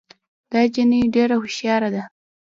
دا جینۍ ډېره هوښیاره ده